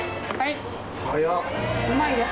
はい。